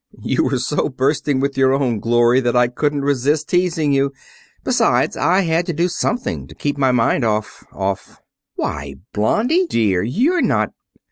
"You were so bursting with your own glory that I couldn't resist teasing you. Besides, I had to do something to keep my mind off off " "Why, Blonde dear, you're not